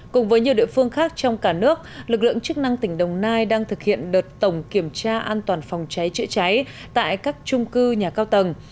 cùng với nhiều địa phương khác trong cả nước lực lượng chức năng tỉnh đồng nai đang thực hiện đợt tổng kiểm tra an toàn phòng cháy chữa cháy tại các trung cư nhà cao tầng